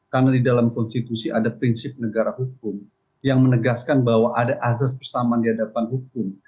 karena di dalam konstitusi ada prinsip negara hukum yang menegaskan bahwa ada azas bersamaan di hadapan hukum